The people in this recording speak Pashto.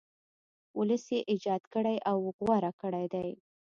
ولس یې ایجاد کړی او غوره کړی دی.